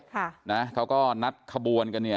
เกี่ยวกับนักนัดคบวน